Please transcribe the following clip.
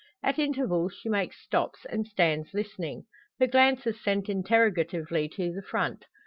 At intervals she makes stops, and stands listening her glances sent interrogatively to the front.